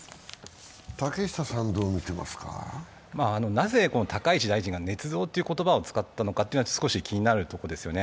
なぜ高市大臣がねつ造という言葉を使ったのかは少し気になるところですよね。